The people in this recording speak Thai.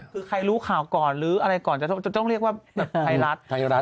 คือใครรู้ข่าวก่อนหรืออะไรก่อนจะต้องเรียกว่าไทยรัฐไทยรัฐ